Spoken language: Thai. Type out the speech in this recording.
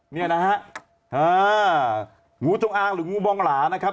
เนี่ยนะฮะงูจงอางหรืองูบองหลานะครับ